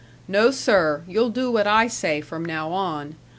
No, sir, you'll do what I say from now on.